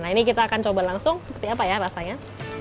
nah ini kita akan coba langsung seperti apa ya rasanya